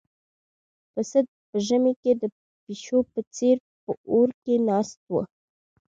پسه په ژمي کې د پيشو په څېر په اور کې ناست و.